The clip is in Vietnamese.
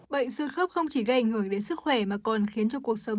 bệnh xương khớp không chỉ gây ảnh hưởng đến sức khỏe mà còn khiến cho cuộc sống